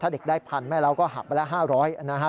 ถ้าเด็กได้๑๐๐๐แม่เลาะก็หับไปละ๕๐๐นะครับ